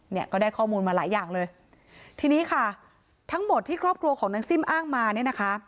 เนี่ยก็ได้ข้อมูลมาหลายอย่างเลยทีนี้ค่ะทั้งหมดที่ครอบครัวของนางซิ่มอ้างมาเนี่ยนะคะ